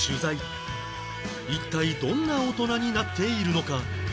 一体どんな大人になっているのか？